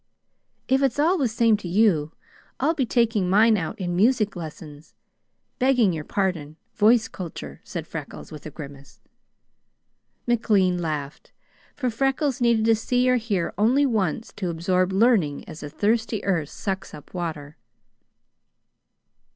"If it's all the same to you, I'll be taking mine out in music lessons begging your pardon voice culture," said Freckles with a grimace. McLean laughed, for Freckles needed to see or hear only once to absorb learning as the thirsty earth sucks up water.